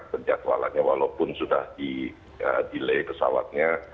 penjadwalannya walaupun sudah di delay pesawatnya